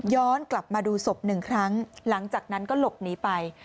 กลับมาดูศพหนึ่งครั้งหลังจากนั้นก็หลบหนีไป